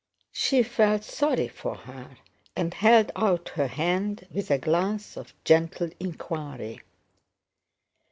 She felt sorry for her and held out her hand with a glance of gentle inquiry.